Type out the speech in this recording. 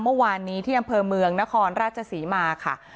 เมื่อวานนี้ที่อำเภอเมืองนครราชศรีมาค่ะ